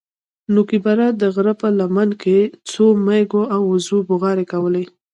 نوكي بره د غره په لمن کښې څو مېږو او وزو بوغارې کولې.